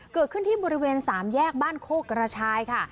เกิดขึ้นที่บริเวณสามแยกบ้านโคกระชายค่ะ